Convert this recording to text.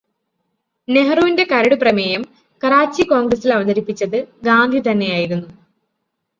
നെഹ്രുവിന്റെ കരടു പ്രമേയം കറാച്ചി കോണ്ഗ്രസില് അവതരിപ്പിച്ചത് ഗാന്ധി തന്നെയായിരുന്നു.